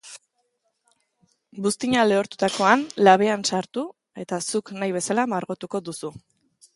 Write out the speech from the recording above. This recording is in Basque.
Buztina lehortutakoan, labean sartu eta zuk nahi bezala margotuko duzu.